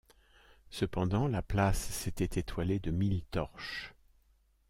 Cependant, la place s’était étoilée de mille torches.